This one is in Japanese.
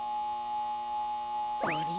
あれ？